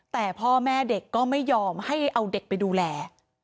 แต่พ่อแม่เด็กก็ไม่ยอมให้เอาเด็กไปดูแล